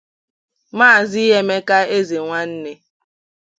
Maazị Emeka Ezenwanne